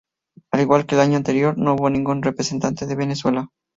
Al igual que el año anterior, no hubo ningún representante de Venezuela.